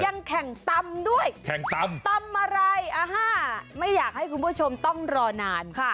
ยังแข่งตำด้วยแข่งตำตำอะไรอ่าฮะไม่อยากให้คุณผู้ชมต้องรอนานค่ะ